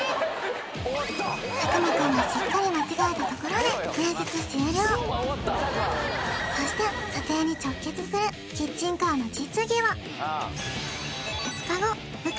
終わった佐久間くんがしっかり間違えたところでそして査定に直結するキッチンカーの実技は？